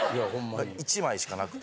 １枚しかなくて。